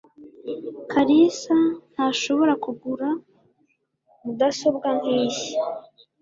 Kalisa ntashobora kugura mudasobwa nkiyi.